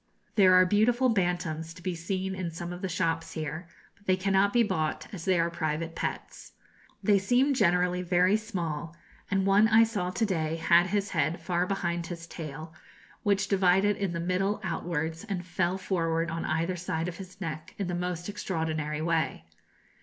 There are beautiful bantams to be seen in some of the shops here; but they cannot be bought, as they are private pets. They seem generally very small, and one I saw to day had his head far behind his tail, which divided in the middle outwards, and fell forward on either side of his neck in the most extraordinary way.